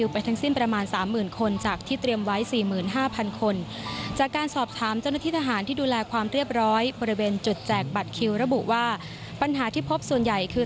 ปัญหาที่พบส่วนใหญ่คือ